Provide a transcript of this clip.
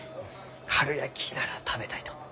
かるやきなら食べたいと。